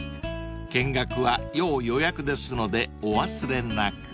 ［見学は要予約ですのでお忘れなく］